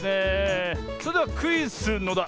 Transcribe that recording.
それでは「クイズのだ」